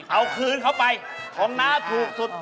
เอาคืนเขาไปของน้าถูกสุด